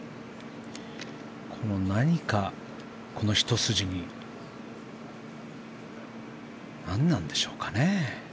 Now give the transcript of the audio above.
何か、このひと筋に何なんでしょうかね？